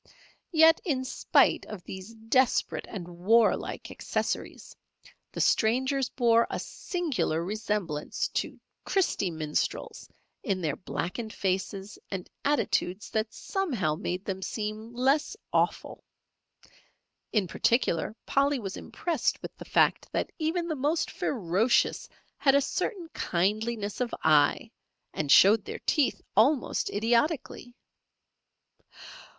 Yet, in spite of these desperate and warlike accessories, the strangers bore a singular resemblance to "Christy Minstrels" in their blackened faces and attitudes that somehow made them seem less awful. In particular, Polly was impressed with the fact that even the most ferocious had a certain kindliness of eye, and showed their teeth almost idiotically.